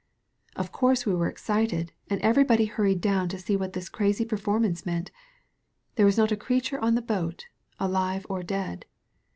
"Of course we were excited, and everybody hurried down to see what this crazy performance meant. There was not a creature on the boat, alive or dead.